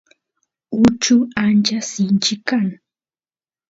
uchu ancha sinchi kan